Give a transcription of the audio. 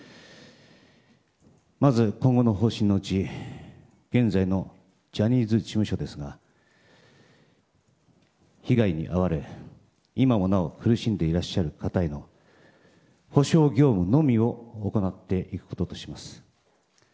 まず、今後の方針のうち現在のジャニーズ事務所ですが被害に遭われ、今もなお苦しんでいらっしゃる方への補償業務のみを行っていくこととします。